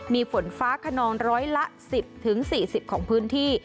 มีฝนฟ้าขนองร้อยละ๑๐๔๐ของพื้นที่